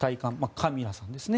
カミラさんですね。